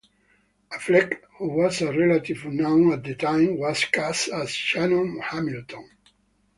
Affleck, who was a relative unknown at the time, was cast as Shannon Hamilton.